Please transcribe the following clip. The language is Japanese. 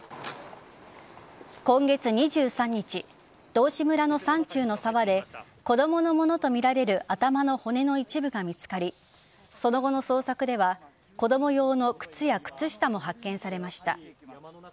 今月２３日道志村の山中の沢で子供のものとみられる頭の骨の一部が見つかりその後の捜索では子供用の靴や靴下も発見されました。